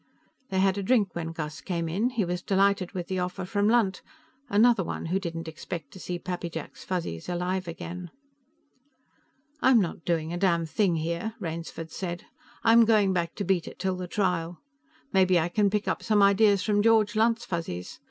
They had a drink when Gus came in. He was delighted with the offer from Lunt. Another one who didn't expect to see Pappy Jack's Fuzzies alive again. "I'm not doing a damn thing here," Rainsford said. "I'm going back to Beta till the trial. Maybe I can pick up some ideas from George Lunt's Fuzzies.